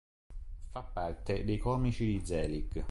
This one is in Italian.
Fa parte dei comici di "Zelig".